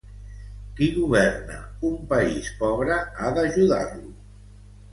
Qui governa un país pobre ha d'ajudar-lo.